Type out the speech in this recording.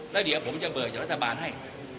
แล้วเดี๋ยวผมจะเบิกจากรัฐบาลให้